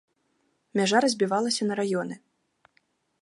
Мяжа разбівалася на раёны.